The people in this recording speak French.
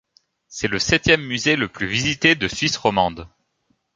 C'est le septième musée le plus visité de Suisse romande.